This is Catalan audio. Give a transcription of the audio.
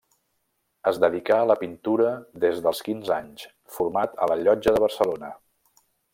Es dedicà a la pintura des dels quinze anys, format a la Llotja de Barcelona.